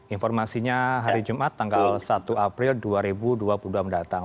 informasinya hari jumat tanggal satu april dua ribu dua puluh dua mendatang